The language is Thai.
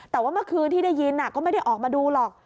แต่ว่าเมื่อคืนที่ได้ยินก็ไม่ได้ออกมาดูหรอก